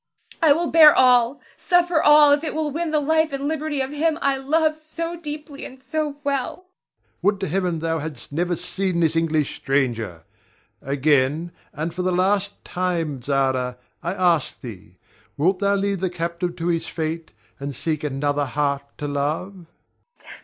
I will bear all, suffer all, if it will win the life and liberty of him I love so deeply and so well. Ber. Would to Heaven thou hadst never seen this English stranger! Again, and for the last time, Zara, I ask thee, Wilt thou leave the captive to his fate, and seek another heart to love?